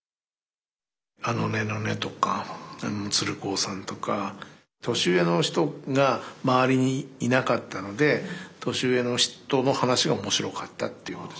あのねのねとか鶴光さんとか年上の人が周りにいなかったので年上の人の話が面白かったっていうことじゃないですかね。